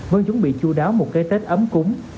vẫn chuẩn bị chú đáo một cái tết ấm cúng